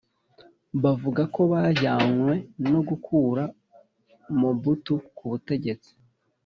bavuga ko bajyanwe no gukura Mobutu ku butegetsi,